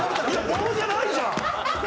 棒じゃないじゃん！